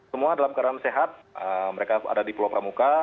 semua dalam keadaan sehat mereka ada di pulau pramuka